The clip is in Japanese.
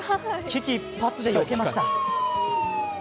危機一発でよけました。